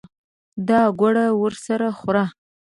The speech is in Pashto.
دا ګوړه ورسره خوره.